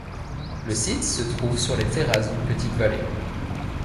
Le site se trouve sur les terrasses d'une petite vallée.